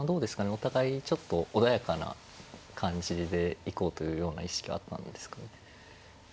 お互いちょっと穏やかな感じで行こうというような意識はあったんですか？